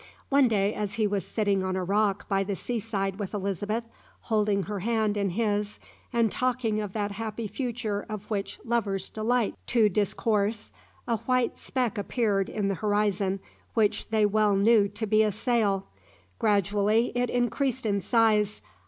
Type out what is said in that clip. One day as he was sitting on a rock by the sea side with Elizabeth, holding her hand in his, and talking of that happy future of which lovers delight to discourse, a white speck appeared in the horizon, which they well knew to be a sail. Gradually it increased in size.